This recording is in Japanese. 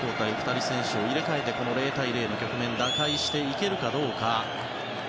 ２人の選手を入れ替えて０対０の局面を打開していけるかどうか。